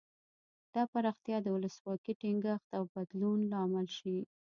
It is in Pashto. دا پراختیا د ولسواکۍ ټینګښت او بدلون لامل شي.